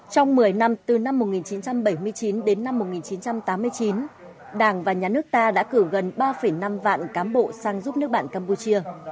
trong một mươi năm từ năm một nghìn chín trăm bảy mươi chín đến năm một nghìn chín trăm tám mươi chín đảng và nhà nước ta đã cử gần ba năm vạn cán bộ sang giúp nước bạn campuchia